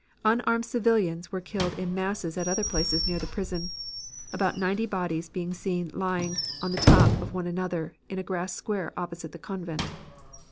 "Unarmed civilians were killed in masses at other places near the prison. About ninety bodies were seen lying on the top of one another in a grass square opposite the convent.